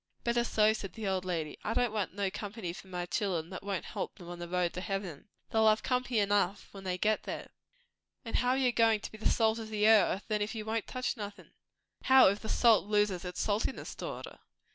"Better so," said the old lady. "I don't want no company for my chil'en that won't help 'em on the road to heaven. They'll have company enough when they get there." "And how are you goin' to be the salt o' the earth, then, if you won't touch nothin'?" "How, if the salt loses its saltness, daughter?"